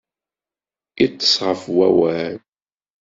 Iṭṭes ɣef wawal.